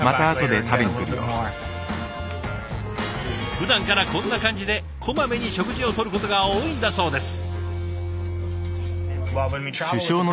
ふだんからこんな感じでこまめに食事をとることが多いんだそうです。